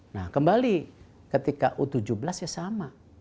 nah kembali ketika u tujuh belas ya sama